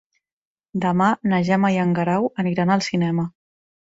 Demà na Gemma i en Guerau aniran al cinema.